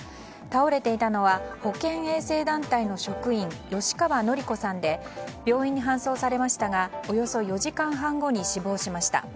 倒れていたのは保健衛生団体の職員吉川典子さんで病院に搬送されましたがおよそ４時間半後に死亡しました。